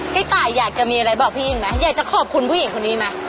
พี่ตายอยากจะมีอะไรบอกพี่อีกไหมอยากจะขอบคุณผู้หญิงคนนี้ไหม